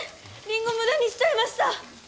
リンゴ無駄にしちゃいました！